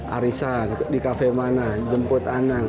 arisan di kafe mana jemput anak